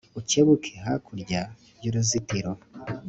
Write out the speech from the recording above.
ucyebuke hakurya y'uruzitiro